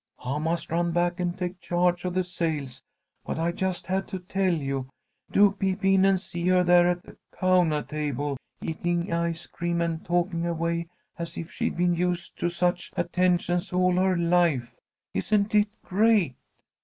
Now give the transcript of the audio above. I must run back and take charge of the sales, but I just had to tell you. Do peep in and see her there at the cawnah table, eating ice cream and talking away as if she'd been used to such attentions all her life. Isn't it great?